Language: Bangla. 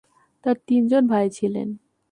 তার তিনজন ভাই ছিলেন।